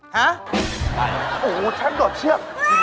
ฮะได้เหรอโอ้โฮฉันโดดเชียบ